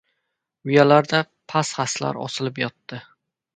Uyalarda pat-xaslar osilib yotdi.